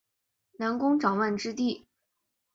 南宫长万之弟。